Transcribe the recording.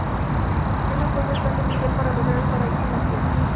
Él apoya el plan de Miguel para lograr el paraíso en la Tierra.